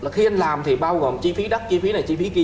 khi anh làm thì bao gồm chi phí đất chi phí này chi phí kia